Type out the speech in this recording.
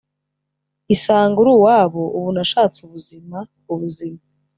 isanga uruwabo ubu nashatse ubuzima (ubuzima)